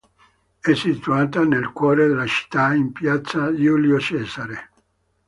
È situata nel cuore della città, in piazza Giulio Cesare.